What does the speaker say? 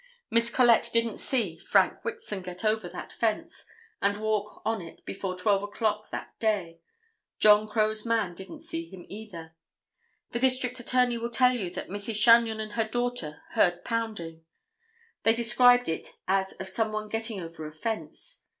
Miss Collette didn't see Frank Wixon get over that fence and walk on it before 12 o'clock that day. John Crowe's man didn't see him either. The District Attorney will tell you that Mrs. Chagnon and her daughter heard pounding. They described it as of some one getting over a fence.